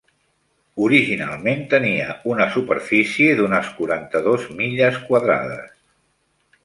Originalment tenia una superfície d"unes quaranta-dos milles quadrades.